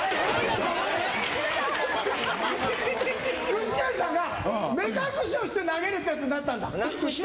具志堅さんが目隠しをして投げるってやつになったんだ。